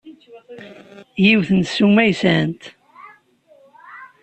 Yiwet n ssuma i sɛant?